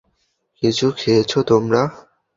কিছু খেয়েছ তোমরা?